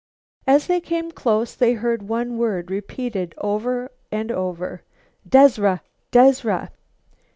As they came close they heard one word repeated over and over: "Dezra! Dezra!"